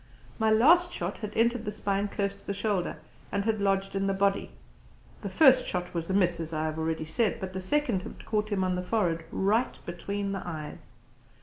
My last shot had entered the spine close to the shoulder, and had lodged in the body; the first shot was a miss; as I have already said; but the second had caught him on the forehead, right between the eyes.